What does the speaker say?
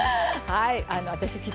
はい。